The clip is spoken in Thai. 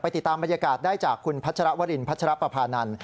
ติดตามบรรยากาศได้จากคุณพัชรวรินพัชรปภานันท